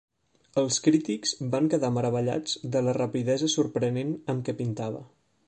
Els crítics van quedar meravellats de la rapidesa sorprenent amb què pintava.